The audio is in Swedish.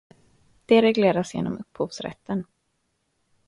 Det regleras genom upphovsrätten.